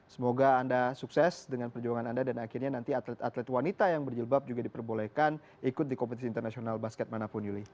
semoga anda sukses dengan perjuangan anda dan akhirnya nanti atlet atlet wanita yang berjilbab juga diperbolehkan ikut di kompetisi internasional basket manapun yuli